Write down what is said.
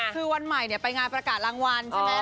คือวันใหม่ไปงานประกาศรางวัลใช่ไหม